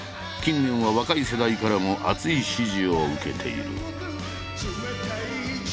近年は若い世代からも熱い支持を受けている。